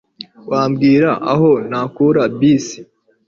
Wambwira aho nakura bisi?